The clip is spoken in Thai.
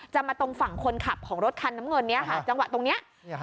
มาตรงฝั่งคนขับของรถคันน้ำเงินนี้ค่ะจังหวะตรงนี้